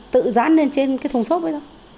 tự dán lên trên cái thùng xốp ấy thôi